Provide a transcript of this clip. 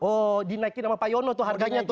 oh dinaikin sama pak yono tuh harganya tuh